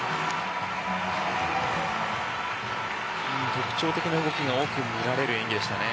特徴的な動きが多くみられる演技でしたね。